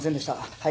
はい。